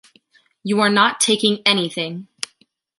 You are not taking anything!